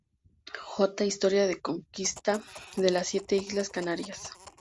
J. Historia de la Conquista de las Siete Islas Canarias.